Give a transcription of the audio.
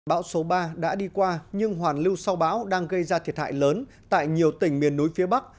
bão số ba đã đi qua nhưng hoàn lưu sau bão đang gây ra thiệt hại lớn tại nhiều tỉnh miền núi phía bắc